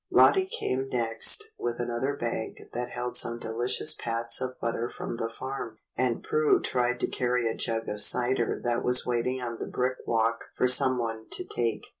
Lottie came next with another bag that held some dehcious pats of butter from the farm, and Prue tried to carry a jug of cider that was waiting on the brick walk for some one to take.